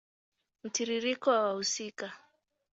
Mtiririko wa wahusika